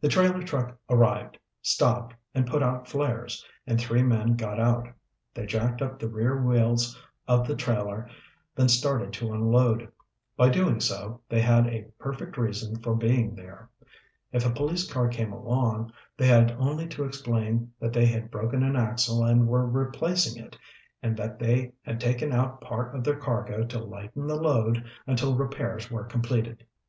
The trailer truck arrived, stopped, and put out flares, and three men got out. They jacked up the rear wheels of the trailer, then started to unload. By so doing, they had a perfect reason for being there. If a police car came along, they had only to explain that they had broken an axle and were replacing it, and that they had taken out part of their cargo to lighten the load until repairs were completed.